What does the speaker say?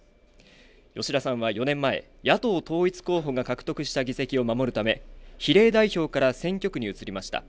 吉田さんは４年前、野党統一候補が獲得した議席を守るため比例代表から選挙区に移りました。